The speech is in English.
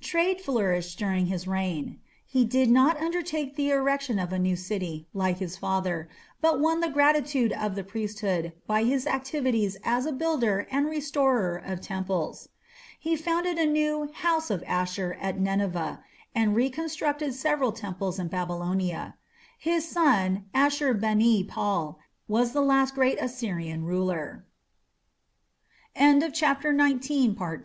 Trade flourished during his reign. He did not undertake the erection of a new city, like his father, but won the gratitude of the priesthood by his activities as a builder and restorer of temples. He founded a new "house of Ashur" at Nineveh, and reconstructed several temples in Babylonia. His son Ashur bani pal was the last great Assyrian ruler. CHAPTER XX. THE LAST DAYS OF ASSYRIA